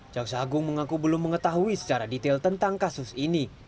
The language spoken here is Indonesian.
jaksa agung mengaku belum mengetahui secara detail tentang kasus ini